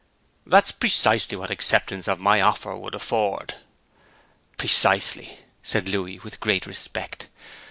'That is precisely what acceptance of my offer would afford.' 'Precisely,' said Louis, with great respect.